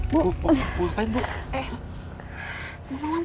bu ngapain bu